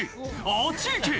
あっち行け！」